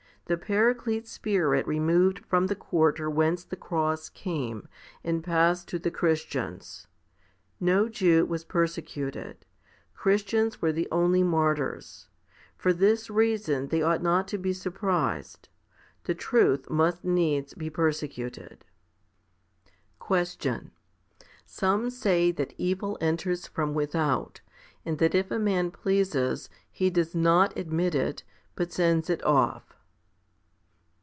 The Paraclete Spirit removed from the quarter whence the cross came, and passed to the Chris tians. No Jew was persecuted ; Christians were the only martyrs. For this reason they ought not to be surprised. The truth must needs be persecuted. 13. Question. Some say that evil enters from without, and that if a man pleases, he does not admit it, but sends it off.